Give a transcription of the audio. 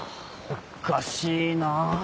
おかしいな。